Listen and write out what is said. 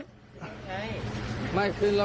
เปิดอุปัติเครียร์